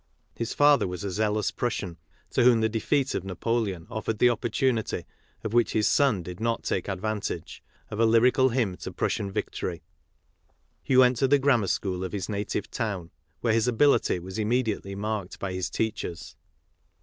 His father was a zealous Prussian, to whom the defeat of Napoleon offered the opportunity, of which his son did not take advantage, of a lyrical hymri to Prussian victory. He went to the grammar school of his native town, where his ability was immediately marked by his teachers.